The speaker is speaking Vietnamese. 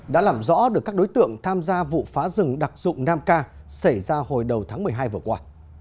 đã làm rõ được các đối tượng tham gia vụ phá rừng đặc dụng nam ca xảy ra hồi đầu tháng một mươi hai vừa qua